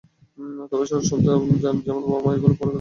তবে সহজ কিছু শব্দ যেমন বাবা, মামা এগুলো পড়ে ফেলতে পারে।